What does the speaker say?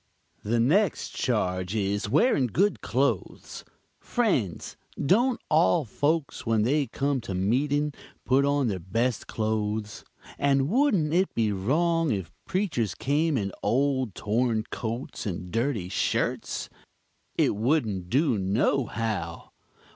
"The next charge is, wearing good clothes. Friends, don't all folks when they come to meeting put on their best clothes? and wouldn't it be wrong if preachers came in old torn coats and dirty shirts? It wouldn't do no how.